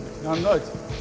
あいつ。